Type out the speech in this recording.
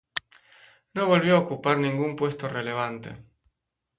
No volvió a ocupar ningún puesto relevante.